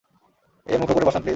এ-মুখো করে বসান, প্লিজ!